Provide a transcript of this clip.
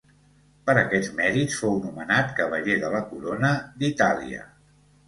Per aquests mèrits fou nomenat Cavaller de la Corona d'Itàlia.